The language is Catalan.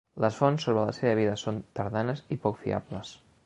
Les fonts sobre la seva vida són tardanes i poc fiables.